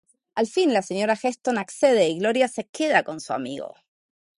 Al fin, la señora Weston accede, y Gloria se queda con su amigo.